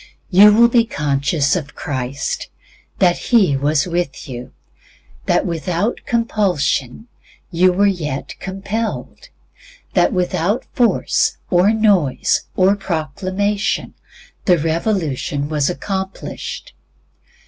You will be conscious of Christ; that He was with you, that without compulsion you were yet compelled; that without force, or noise, or proclamation, the revolution was accomplished.